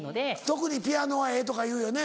特にピアノはええとかいうよね